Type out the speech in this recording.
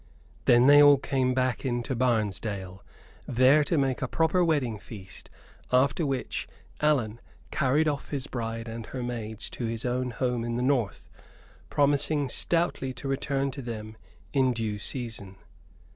Then they all came back into Barnesdale, there to make a proper wedding feast, after which Allan carried off his bride and her maids to his own home in the north, promising stoutly to return to them in due season.